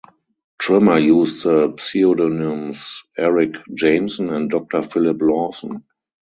Trimmer used the pseudonyms Eric Jameson and Doctor Philip Lawson.